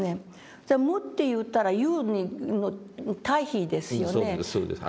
じゃ無って言ったら有の対比ですよね。